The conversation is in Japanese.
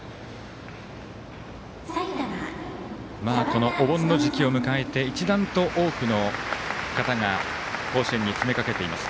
このお盆の時期を迎えて一段と多くの方が甲子園に詰めかけています。